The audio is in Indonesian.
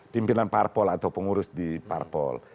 pimpinan parpol atau pengurus di parpol